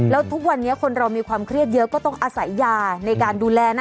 แล้วทุกวันนี้คนเรามีความเครียดเยอะก็ต้องอาศัยยาในการดูแลนะ